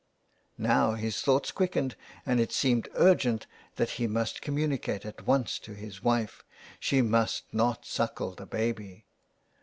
Now his thoughts quickened, and it seemed urgent that he must communicate at once with his wife. She must not suckle the baby